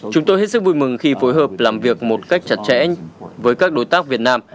chúng tôi hết sức vui mừng khi phối hợp làm việc một cách chặt chẽ với các đối tác việt nam